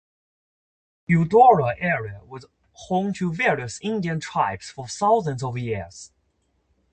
The Eudora area was home to various Indian tribes for thousands of years.